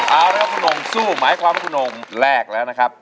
เอาละครับคุณโหนงสู้หมายความคุณโหนงแรกแล้วนะครับ